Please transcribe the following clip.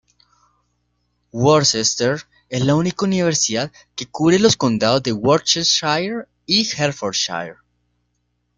Worcester es la única universidad que cubre los condados de Worcestershire y Herefordshire.